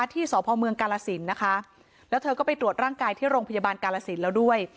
ที่สพเมืองกาลสินนะคะแล้วเธอก็ไปตรวจร่างกายที่โรงพยาบาลกาลสินแล้วด้วย